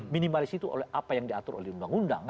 minimalis itu apa yang diatur oleh undang undang